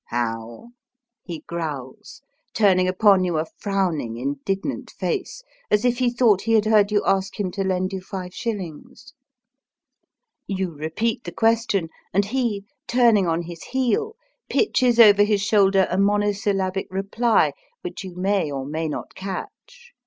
^^ How? "he growls, turning upon you a frowning, indignant face, as if he thought he had heard you ask him to lend you five shillings. You repeat the question, and he, turning on his heel, pitches over his shoulder a mono syllabic reply, which you may or may not catch.